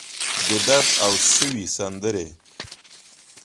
د درد اوسوي سندرې